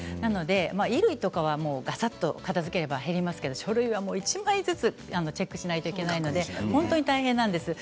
衣類とかは、がさっと片づけたら減りますけど書類は１枚ずつチェックしないといけないので本当に大変なんです。